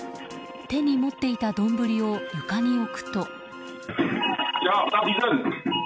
手に持っていた丼を床に置くと。